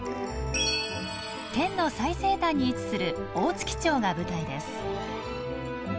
県の最西端に位置する大月町が舞台です。